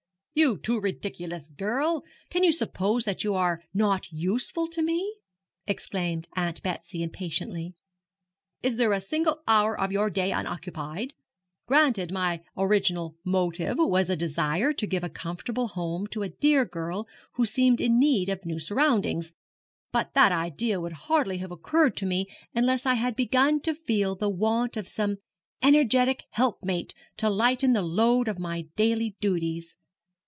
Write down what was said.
'You too ridiculous girl, can you suppose that you are not useful to me?' exclaimed Aunt Betsy, impatiently. 'Is there a single hour of your day unoccupied? Granted that my original motive was a desire to give a comfortable home to a dear girl who seemed in need of new surroundings, but that idea would hardly have occurred to me unless I had begun to feel the want of some energetic helpmate to lighten the load of my daily duties.